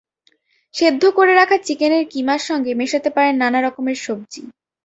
সেদ্ধ করে রাখা চিকেনের কিমার সঙ্গে মেশাতে পারেন নানা রকমের সবজি।